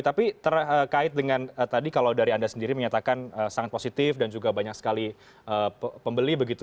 tapi terkait dengan tadi kalau dari anda sendiri menyatakan sangat positif dan juga banyak sekali pembeli begitu